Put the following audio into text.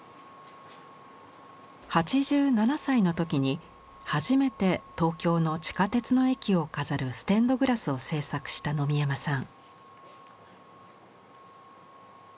８７歳の時に初めて東京の地下鉄の駅を飾るステンドグラスを制作した野見山さん。